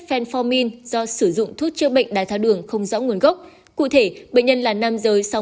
fenformin do sử dụng thuốc chữa bệnh đai thao đường không rõ nguồn gốc cụ thể bệnh nhân là nam giới sáu